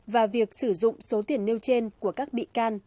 và việc sử dụng số tiền nêu trên của các bị can